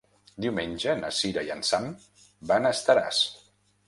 Diumenge na Cira i en Sam van a Estaràs.